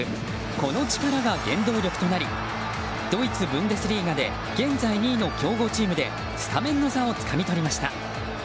この力が原動力となりドイツ・ブンデスリーガで現在２位の強豪チームでスタメンの座をつかみ取りました。